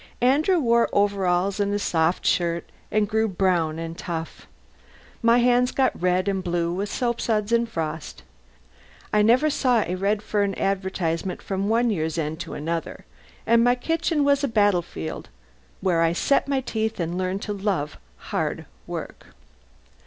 Andrew wore overalls and a soft shirt and grew brown and tough. My hands got red and blue with soapsuds and frost; I never saw a Redfern advertisement from one year's end to another, and my kitchen was a battlefield where I set my teeth and learned to love hard work.